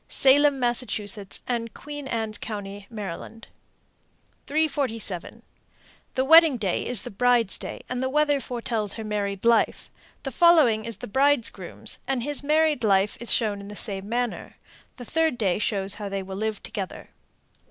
Salem, Mass., and Queen Anne Co., Md. 347. The wedding day is the bride's day, and the weather foretells her married life. The following is the bridegroom's, and his married life is shown in the same manner. The third day shows how they will live together.